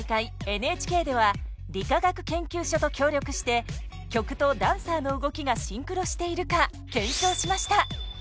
ＮＨＫでは理化学研究所と協力して曲とダンサーの動きがシンクロしているか検証しました。